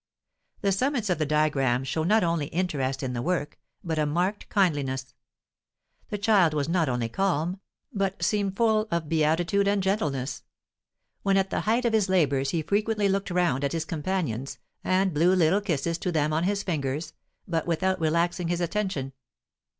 The summits of the diagram show not only interest in the work, but a marked kindliness; the child was not only calm, but seemed full of beatitude and gentleness; when at the height of his labors he frequently looked round at his companions, and blew little kisses to them on his fingers, but without relaxing his attention.